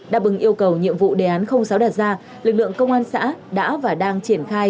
đáp ứng yêu cầu nhiệm vụ đề án sáu đặt ra lực lượng công an xã đã và đang triển khai